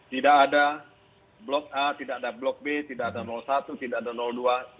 tidak ada blok a tidak ada blok b tidak ada blok satu tidak ada dua